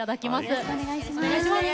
よろしくお願いします。